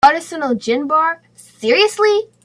Artisanal gin bar, seriously?!